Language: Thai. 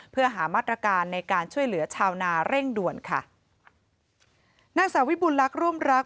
เพื่อหามาตรการในการช่วยเหลือชาวนาเร่งด่วนค่ะนางสาวิบุญลักษณ์ร่วมรัก